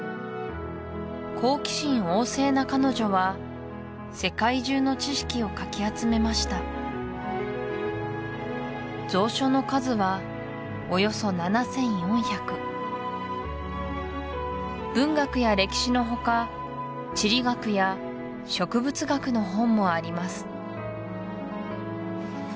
好奇心旺盛な彼女は世界中の知識をかき集めました蔵書の数はおよそ７４００文学や歴史のほか地理学や植物学の本もあります